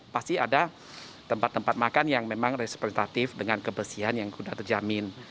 pasti ada tempat tempat makan yang memang resitatif dengan kebersihan yang sudah terjamin